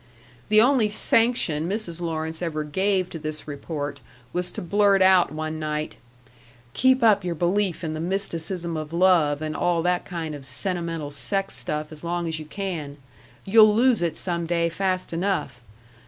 The only sanction Mrs. Lawrence ever gave to this report was to blurt out one night: "Keep up your belief in the mysticism of love and all that kind of sentimental sex stuff as long as you can. You'll lose it some day fast enough.